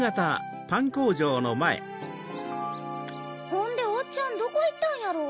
ほんでおっちゃんどこいったんやろう？